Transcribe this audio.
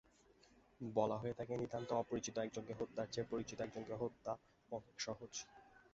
বলা হয়ে থাকে, নিতান্ত অপরিচিত একজনকে হত্যার চেয়ে পরিচিত একজনকে হত্যা অনেক সহজ।